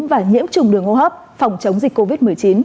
và nhiễm trùng đường hô hấp phòng chống dịch covid một mươi chín